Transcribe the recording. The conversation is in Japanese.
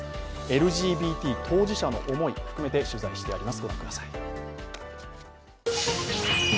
ＬＧＢＴ当事者の思いを含めて取材してあります。